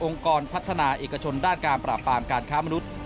กรพัฒนาเอกชนด้านการปราบปรามการค้ามนุษย์